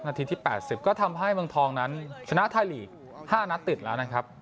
สักนาทีที่แปดสิบก็ทำให้เมืองทองนั้นชนะไทยลีกห้านัดติดแล้วนะครับ